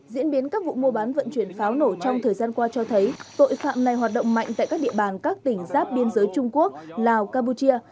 diễn biến các vụ mua bán vận chuyển pháo nổ trong thời gian qua cho thấy tội phạm này hoạt động mạnh tại các địa bàn các tỉnh giáp biên giới trung quốc lào campuchia